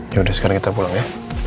ya udah sekarang kita pulang ya